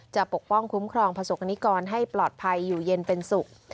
ปกป้องคุ้มครองประสบกรณิกรให้ปลอดภัยอยู่เย็นเป็นสุข